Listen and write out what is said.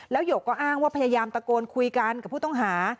หยกก็อ้างว่าพยายามตะโกนคุยกันกับผู้ต้องหา